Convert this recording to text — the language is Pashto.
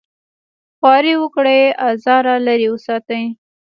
خواري وکړي ازاره لرې وساتي.